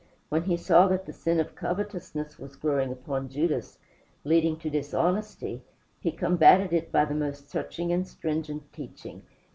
When he saw that the sin of covetousness was growing upon Judas, leading to dishonesty, he combated it by the most searching and stringent teaching.